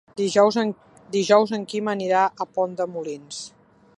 Dijous en Quim anirà a Pont de Molins.